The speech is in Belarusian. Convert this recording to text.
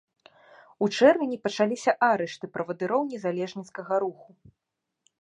У чэрвені пачаліся арышты правадыроў незалежніцкага руху.